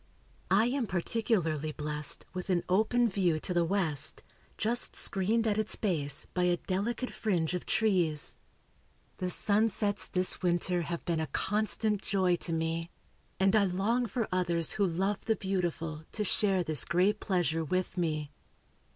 I am particularly blessed with an open view to the west, just screened at its base by a delicate fringe of trees. The sunsets this winter have been a constant joy to me, and I long for others who love the beautiful to share this great pleasure with me.